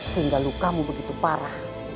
sehingga lukamu begitu parah